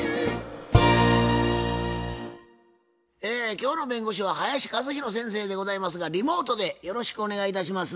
今日の弁護士は林一弘先生でございますがリモートでよろしくお願いいたします。